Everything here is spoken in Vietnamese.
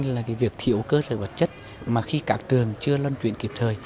cái khó khăn thứ hai là việc thiểu cơ sở vật chất mà khi các trường chưa luân truyện kịp thời